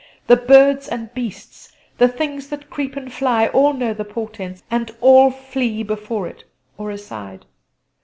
The birds and beasts, the things that creep and fly, all know the portents, and all flee before it, or aside.